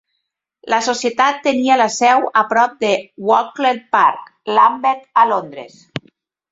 La Societat tenia la seu a prop de Brockwell Park, Lambeth a Londres.